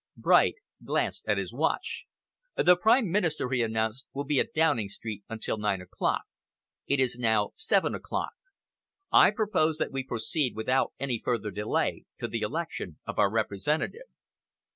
Bright glanced at his watch. "The Prime Minister," he announced, "will be at Downing Street until nine o'clock. It is now seven o'clock. I propose that we proceed without any further delay to the election of our representative."